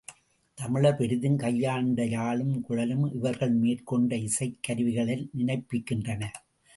தமிழர் பெரிதும் கையாண்ட யாழும் குழலும் இவர்கள் மேற்கொண்ட இசைக் கருவிகளை நினைப்பிக்கின்றன.